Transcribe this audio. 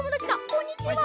こんにちは。